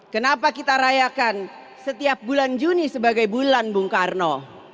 kenapa kita rayakan setiap bulan juni sebagai bulan bung karno